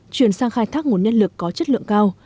chuyển sang khai thác nguồn nhân lực có chất lượng cao